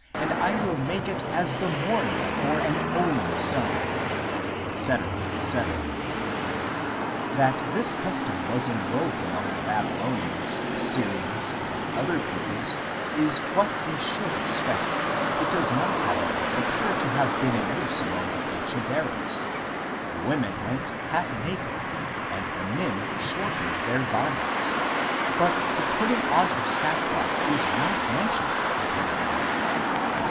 . and I will make it as the mourning for an only son. ..." etc. etc. 1 That this custom was in vogue among the Babylonians, 8 Assyrians 3 (who called sackcloth sakku), and other peoples,* is what we should expect ; it does not, however, appear to have been in use among the ancient Arabs ; the women went half naked, and the men shortened their garments, but the putting on of sackcloth is not mentioned, apparently."